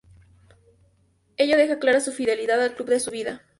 Ello deja clara su fidelidad al club de su vida.